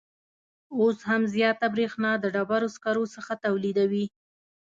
اوس هم زیاته بریښنا د ډبروسکرو څخه تولیدوي